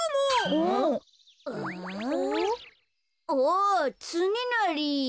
おつねなり。